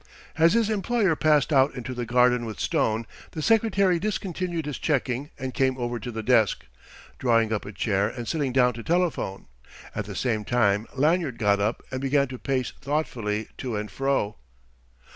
As his employer passed out into the garden with Stone, the secretary discontinued his checking and came over to the desk, drawing up a chair and sitting down to telephone. At the same time Lanyard got up and began to pace thoughtfully to and fro.